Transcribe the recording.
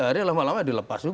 jadi lama lama dilepas